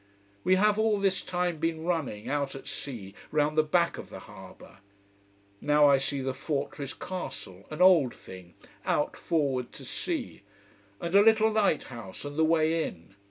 We have all this time been running, out at sea, round the back of the harbour. Now I see the fortress castle, an old thing, out forward to sea: and a little lighthouse and the way in.